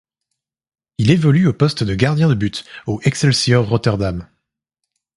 Il évolue au poste de gardien de but au Excelsior Rotterdam.